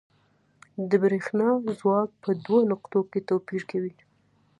د برېښنا ځواک په دوو نقطو کې توپیر کوي.